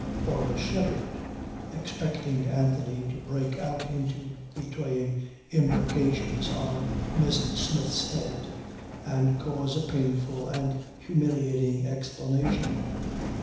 Flora shuddered, expecting Anthony to break out into betraying imprecations on Miss Smith's head, and cause a painful and humiliating explanation.